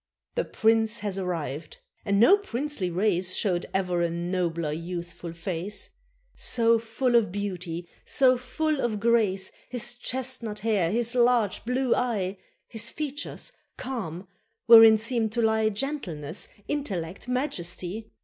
The Prince had arrived, and no princely race Showed ever a nobler youthful face; So full of beauty, so full of grace, His chestnut hair, his large blue eye, His features calm, wherein seem to lie Gentleness, intellect, majesty.